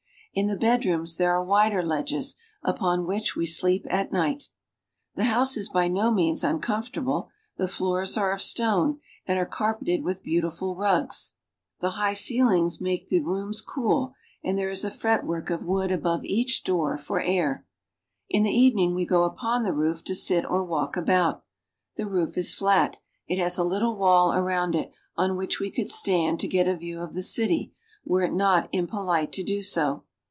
In the bedrooms there are wider ledges, upon which we sleep at night. The house is by no means uncomfortable. The floors arc of stone and are carpeted with beautiful rugs. The IN FEZ, THE CAPITAL OF MOROCCO 29 high ceilings make the rooms cool, and there is a fretwork of wood above each door for air. In the evening we go upon the roof to sit or walk about. The roof is flat ; it has a little wall around it, on which we could stand to get a view of the city were it not impo lite to do so.